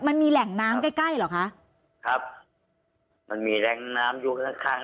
มันมีแหล่งน้ำใกล้ใกล้เหรอคะครับมันมีแรงน้ำอยู่ข้างข้าง